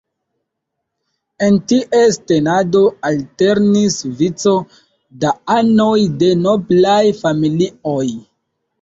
En ties tenado alternis vico da anoj de noblaj familioj.